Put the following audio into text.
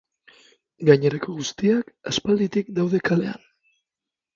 Gainerako guztiak aspalditik daude kalean.